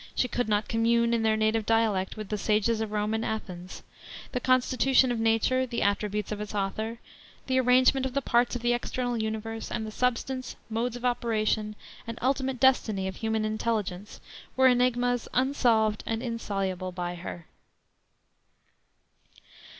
~.~.~. She could not commune in their native dialect with the sages of Rome and Athens.~.~.~. The constitution of nature, the attributes of its Author, the arrangement of the parts of the external universe, and the substance, modes of operation, and ultimate destiny of human intelligence were enigmas unsolved and insoluble by her."